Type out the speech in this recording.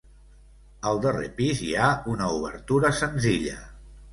Al darrer pis hi ha una obertura senzilla.